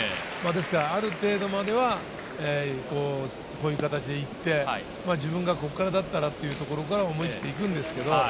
ある程度まではこういう形で行って自分がここからだったらというところから思い切っていきます。